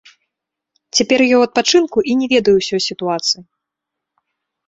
Цяпер я ў адпачынку і не ведаю ўсёй сітуацыі.